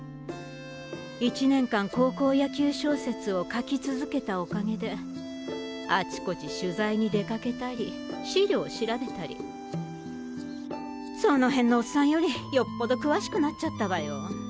１年間高校野球小説を書き続けたおかげであちこち取材に出かけたり資料を調べたりその辺のオッサンよりよっぽど詳しくなっちゃったわよ。